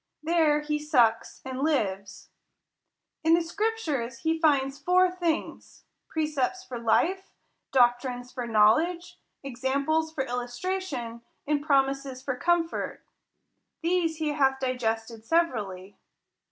There he sucks, and lives. In the scriptures he tinds four things ; precepts for life, doctrines for knowledge, examples for illustration, and promises for comfort. These he hath digested severally.